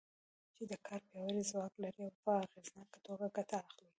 چې د کار پیاوړی ځواک لري او په اغېزناکه توګه ګټه اخلي.